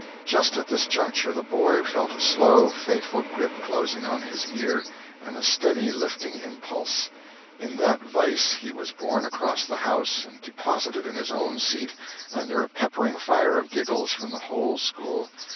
Just at this juncture the boy felt a slow, fateful grip closing on his ear, and a steady lifting impulse. In that wise he was borne across the house and deposited in his own seat, under a peppering fire of giggles from the whole school.